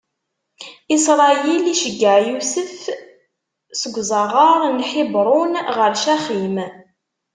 Isṛayil iceggeɛ Yusef seg uzaɣar n Ḥibṛun ɣer Caxim.